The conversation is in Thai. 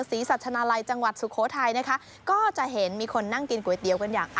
สัชนาลัยจังหวัดสุโขทัยนะคะก็จะเห็นมีคนนั่งกินก๋วยเตี๋ยวกันอย่าง